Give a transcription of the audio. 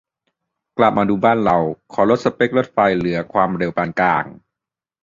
กลับมาดูบ้านเรา ขอลดสเป็กรถไฟเหลือความเร็วปานกลาง